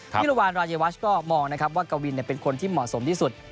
วิรวานรายวัชก็มองนะครับว่ากวินเป็นคนที่เหมาะสมที่สุด